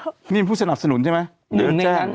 นี่เป็นผู้สนับสนุนใช่ไหม